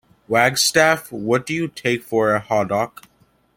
Wagstaff: What do you take for a haddock?